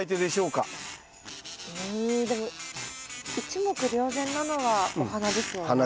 うんでも一目瞭然なのはお花ですよね。